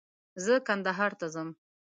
زه کندهار ته ځم